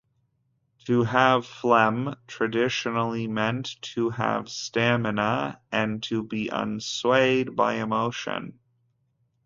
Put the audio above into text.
To have "phlegm" traditionally meant to have stamina and to be unswayed by emotion.